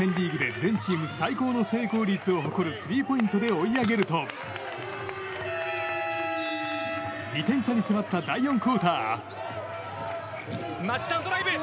全チーム最高の成功率を誇るスリーポイントで追い上げると２点差に迫った第４クオーター。